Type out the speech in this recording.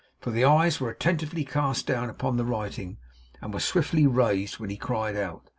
For the eyes were attentively cast down upon the writing, and were swiftly raised when he cried out.